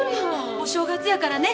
お正月やからね